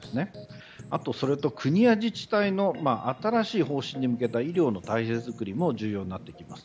あと、国や自治体の新しい方針に向けた医療の体制作りも重要になってきます。